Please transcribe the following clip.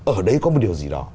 ở đấy có một điều gì đó